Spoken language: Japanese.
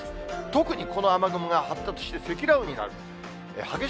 特にこの雨雲が発達して積乱雲になる。